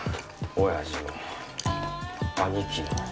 おやじも兄貴も。